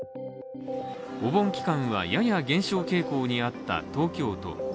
お盆期間はやや減少傾向にあった東京都。